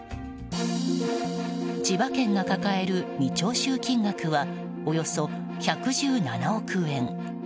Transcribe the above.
千葉県が抱える未徴収金額はおよそ１１７億円。